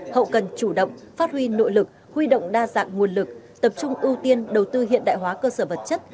hậu cần chủ động phát huy nội lực huy động đa dạng nguồn lực tập trung ưu tiên đầu tư hiện đại hóa cơ sở vật chất